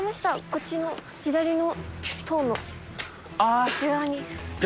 こっちの左の塔の内側に。